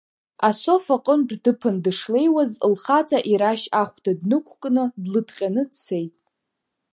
Асоф аҟынтә дыԥан дышлеиуаз, лхаҵа ирашь ахәда днықәкны, длыҭҟьаны дцеит.